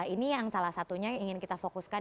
ini yang salah satunya yang ingin kita fokuskan